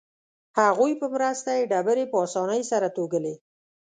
هغوی په مرسته یې ډبرې په اسانۍ سره توږلې.